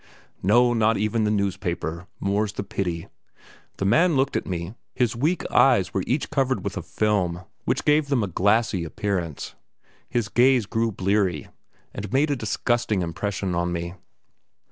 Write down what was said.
No, not even the newspaper, more's the pity. The man looked at me; his weak eyes were each covered with a film which gave them a glassy appearance; his gaze grew bleary, and made a disgusting impression on me.